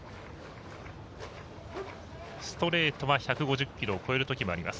ストレートは１５０キロを超えるときもあります。